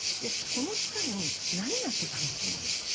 この期間何やってたの？という。